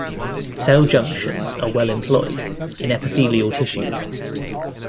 Cell junctions are well-employed in epithelial tissues.